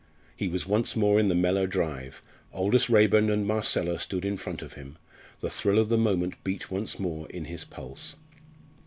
He was once more in the Mellor drive; Aldous Raeburn and Marcella stood in front of him; the thrill of the moment beat once more in his pulse.